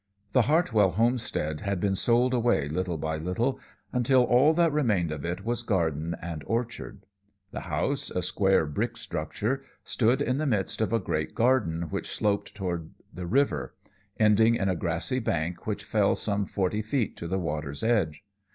"The Hartwell homestead had been sold away little by little, until all that remained of it was garden and orchard. The house, a square brick structure, stood in the midst of a great garden which sloped toward the river, ending in a grassy bank which fell some forty feet to the water's edge.